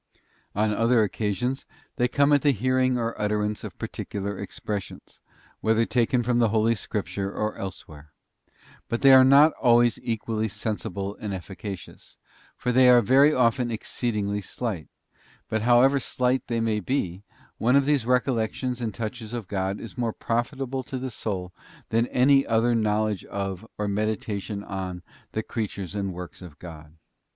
On other occasions, they come at the hearing or utterance of particular expressions, whether taken from the Holy Scripture or elsewhere. But they are not always equally sensible and efficacious, for they are very often exceedingly slight ; but however slight they may be, one of these recol lections and touches of God is more profitable to the soul than ahy other knowledge of, or meditation on, the creatures and works of God.